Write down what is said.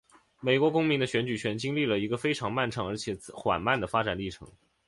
美国公民的选举权经历了一个非常漫长而且缓慢的发展历程。